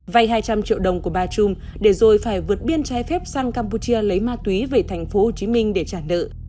vay hai trăm linh triệu đồng của bà trung để rồi phải vượt biên trái phép sang campuchia lấy ma túy về tp hcm để trả nợ